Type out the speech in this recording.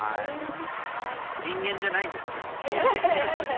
人間じゃないんですけども。